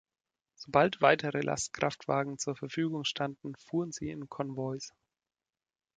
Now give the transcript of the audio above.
Sobald weitere Lastkraftwagen zur Verfügung standen, fuhren sie in Konvois.